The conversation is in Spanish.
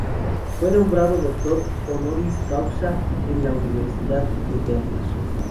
Fue nombrado doctor "honoris causa" en la Universidad de Berna.